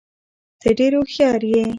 ته ډېر هوښیار یې.